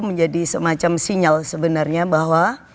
menjadi semacam sinyal sebenarnya bahwa